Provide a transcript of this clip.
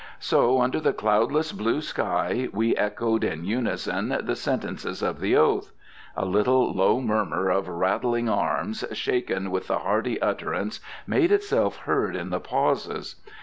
So, under the cloudless blue sky, we echoed in unison the sentences of the oath. A little low murmur of rattling arms, shaken with the hearty utterance, made itself heard in the pauses.